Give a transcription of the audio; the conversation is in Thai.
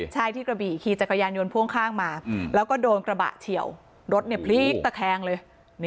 ใช่ที่กระบี่ขี่จักรยานยนต์พ่วงข้างมาแล้วก็โดนกระบะเฉียวรถพลิกตะแคงเลย